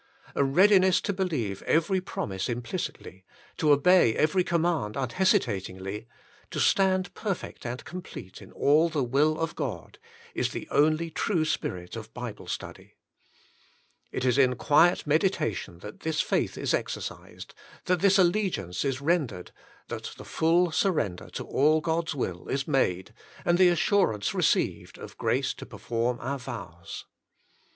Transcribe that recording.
A readi ness to believe every promise implicitly, to obey every command unhesitatingly, to "stand per fect and complete in all the will of God," is the Meditation 75 only true spirit of Bible study. It is in quiet meditation that this faith is exercised, that this allegiance is rendered, that the full surrender to all God^s will is made, and the assurance received of grace to perform our vows.